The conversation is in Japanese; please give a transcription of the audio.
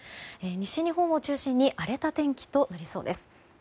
西日本を中心に荒れた天気となりそうです。